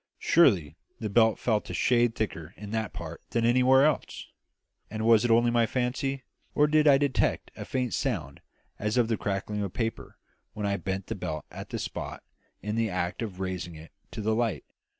Surely the belt felt a shade thicker in that part than anywhere else! And was it only my fancy, or did I detect a faint sound as of the crackling of paper when I bent the belt at that spot in the act of raising it to the light?